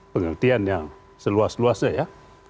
pengertian yang seluas luasnya ya